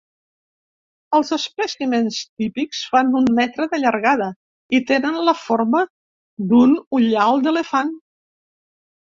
Els espècimens típics fan un metre de llargada i tenen la forma d'un ullal d'elefant.